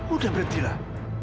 udah berhenti lah